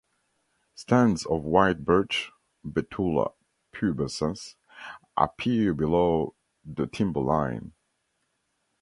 Stands of white birch ("Betula pubescens") appear below the timber line.